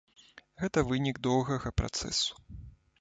Гэта вынік доўгага працэсу.